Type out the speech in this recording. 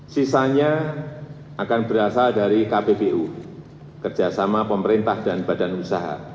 sisanya akan berasal dari kppu kerjasama pemerintah dan badan usaha